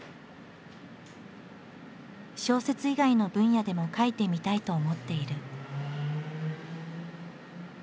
小説以外の分野でも書いてみたいと思っている。